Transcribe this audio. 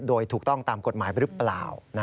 โดยถูกต้องตามกฎหมายหรือเปล่า